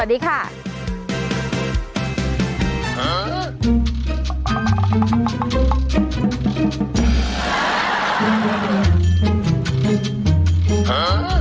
สวัสดีค่ะ